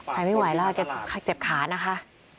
หายไม่ไหวแล้วเจ็บขานะคะ